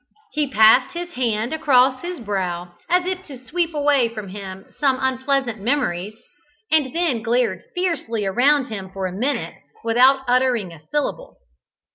He passed his hand across his brow, as if to sweep away from him some unpleasant memories, and then glared fiercely around him for a minute without uttering a syllable.